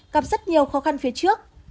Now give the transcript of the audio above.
gặp rất nhiều khó khăn phía trước